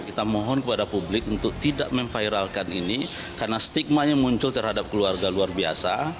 kita mohon kepada publik untuk tidak memviralkan ini karena stigmanya muncul terhadap keluarga luar biasa